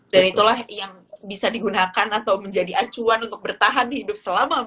dan itulah yang bisa digunakan atau menjadi acuan untuk bertahan di hidup seumur kita